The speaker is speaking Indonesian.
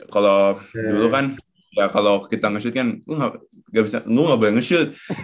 kalau dulu kan ya kalau kita nge syuting kan gak bisa lu gak bisa nge shoot